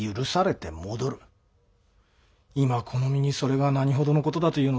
今この身にそれが何ほどの事だというのだ。